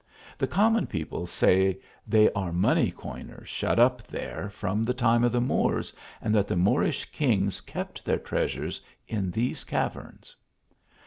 The common people say they are money coiners, shut up there from the time of the Moors, and that the Moorish kings kept their treasures in these caverns.